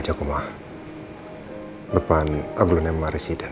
sumpah aku harus bijak